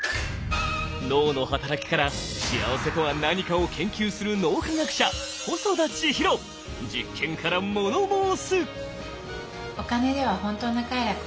脳の働きから幸せとは何かを研究する実験からもの申す！